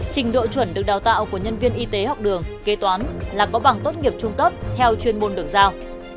trình độ chuẩn được đào tạo của nhân viên y tế học đường kế toán là có bằng tốt nghiệp trung cấp theo chuyên môn được giao